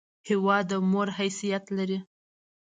هېواد د مور حیثیت لري!